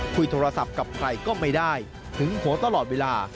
คุยโทรศัพท์กับใครก็ไม่ได้หึงหัวตลอดเวลา